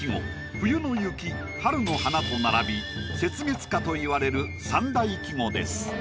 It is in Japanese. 冬の「雪」春の「花」と並び「雪月花」といわれる三大季語です。